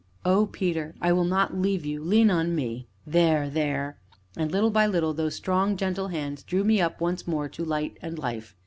"Oh, Peter! I will not leave you lean on me there there!" And, little by little, those strong, gentle hands drew me up once more to light and life.